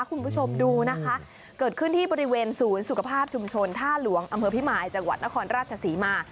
คุณผู้ชมดูนะคะเกิดขึ้นที่บริเวณศูนย์สุขภาพชุมชนท่าหลวงอำเภอพิมายจังหวัดนครราชศรีมา